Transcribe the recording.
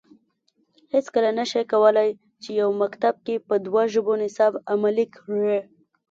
هیڅکله نه شي کولای چې یو مکتب کې په دوه ژبو نصاب عملي کړي